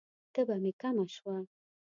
تبه می کمه شوه؟